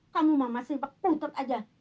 kamu mama simpak putut aja